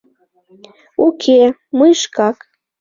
— Уке, мый шкак...